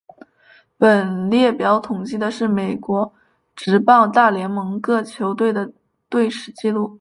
本列表统计的是美国职棒大联盟的各球队的队史纪录。